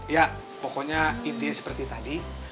ya pokoknya ide seperti tadi